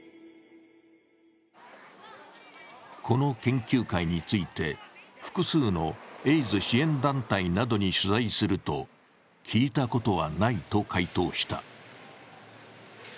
この研究会について、複数のエイズ支援団体などに取材すると聞いたことはないと回答した。